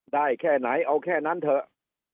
ได้แค่ไหนเอาแค่นั้นเถอะ